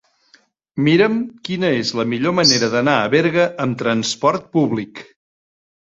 Mira'm quina és la millor manera d'anar a Berga amb trasport públic.